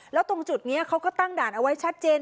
แล้วตรงจุดนี้เขาก็ตั้งด่านเอาไว้ชัดเจน